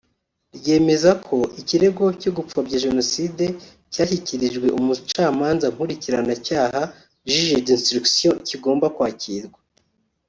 rwemeza ko ikirego cyo gupfoya Jenoside cyashyikirijwe umucamanza nkurikiranacyaha (Juge d’instruction) kigomba kwakirwa